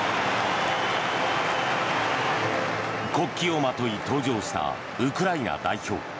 国旗をまとい登場したウクライナ代表。